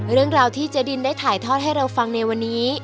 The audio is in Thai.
เรื่องราวที่เจดินได้ถ่ายทอดให้เราฟังในวันนี้